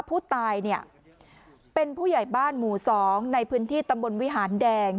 ผู้ตายเนี่ยเป็นผู้ใหญ่บ้านหมู่๒ในพื้นที่ตำบลวิหารแดง